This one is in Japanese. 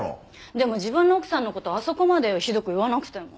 でも自分の奥さんの事をあそこまでひどく言わなくても。